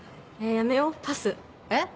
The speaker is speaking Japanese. やめよパスえっ？